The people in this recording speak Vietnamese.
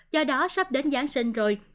do đó sắp đến giáng sinh rồi